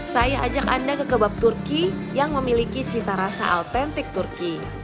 saya ajak anda ke kebab turki yang memiliki cita rasa autentik turki